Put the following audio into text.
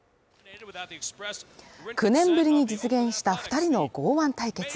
９年ぶりに実現した２人の剛腕対決